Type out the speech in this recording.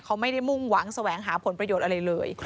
เขาไม่ได้มุ่งหวังแสวงหาผลประโยชน์อะไรเลย